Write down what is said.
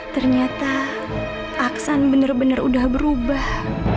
ternyata aksan bener bener udah berubah